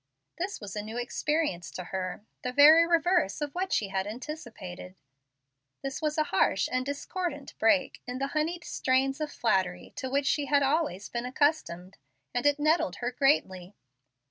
This was a new experience to her, the very reverse of what she had anticipated. This was a harsh and discordant break in the honeyed strains of flattery to which she had always been accustomed, and it nettled her greatly.